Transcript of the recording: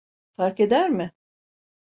Farkeder mi?